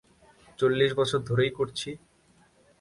চল্লিশ বছর ধরেই করছি।